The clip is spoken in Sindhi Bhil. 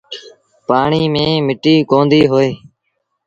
پآڻي ميݩ مٽيٚ ڪونديٚ هوئي۔